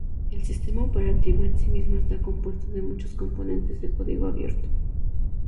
El sistema operativo en sí mismo está compuesto de muchos componentes de código abierto.